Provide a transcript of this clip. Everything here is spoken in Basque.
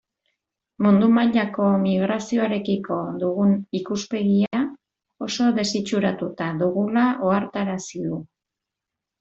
Mundu mailako migrazioarekiko dugun ikuspegia oso desitxuratuta dugula ohartarazi du.